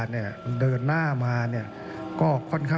มีความรู้สึกว่า